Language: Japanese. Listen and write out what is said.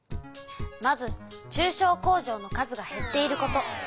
まず中小工場の数がへっていること。